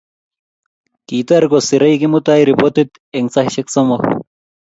Kitar koserei Kimutai ripotit eng saishek somok